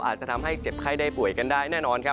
อาจจะทำให้เจ็บไข้ได้ป่วยกันได้แน่นอนครับ